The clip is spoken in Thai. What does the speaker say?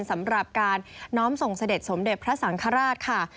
สำหรับการน้อมส่งเสด็จสมเด็จพระสังฆราชค่ะ